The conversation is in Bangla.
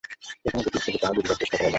প্রথমত চিত্ত কি, তাহা বুঝিবার চেষ্টা করা যাক।